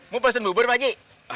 mau pesen bubur pak haji